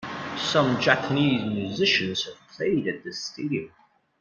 Some Japanese musicians have played at this stadium.